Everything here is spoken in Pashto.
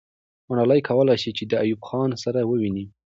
ملالۍ کولای سوای چې د ایوب خان سره وویني.